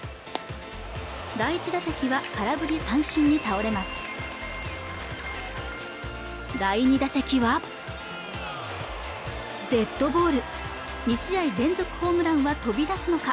第１打席は空振り三振に倒れます第２打席はデッドボール２試合連続ホームランは飛び出すのか